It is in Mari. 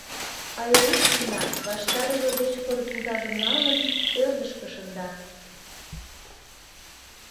Айрушкина, Ваштарова деч корзинкажым налын, ӧрдыжкӧ шында.